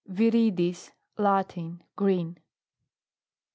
VIRIDIS. Latin. Green.